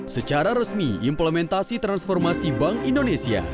secara resmi implementasi transformasi bank indonesia